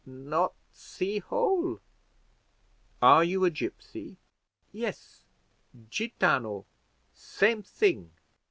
"Not see hole." "Are you a gipsy?" "Yes, gitano same thing."